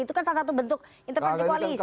itu kan salah satu bentuk intervensi koalisi